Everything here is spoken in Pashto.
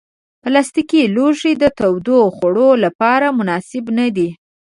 پلاستيکي لوښي د تودو خوړو لپاره مناسب نه دي.